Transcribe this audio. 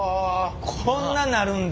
こんななるんだ！